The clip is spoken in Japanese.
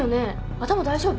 頭大丈夫？